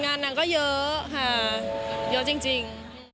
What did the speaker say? งานนั่งก็เยอะเยาว์จริง